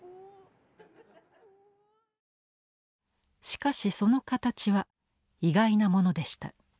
しかしその形は意外なものでした。